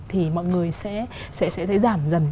thì mọi người sẽ giảm dần